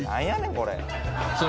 これ」